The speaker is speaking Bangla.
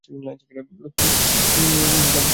লোকটি তাঁবুতে সন্ধানী দৃষ্টি মেলে দেখল।